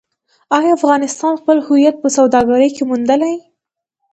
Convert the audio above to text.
آیا افغانستان خپل هویت په سوداګرۍ کې موندلی؟